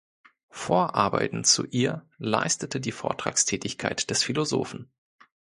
Vorarbeiten zu ihr leistete die Vortragstätigkeit des Philosophen.